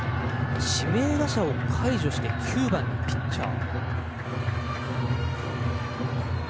指名打者を解除して９番にピッチャーを。